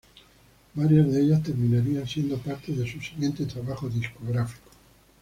Varias de ellas terminarían siendo parte de su siguiente trabajo discográfico.